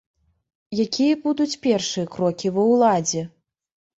Якія будуць першыя крокі ва ўладзе?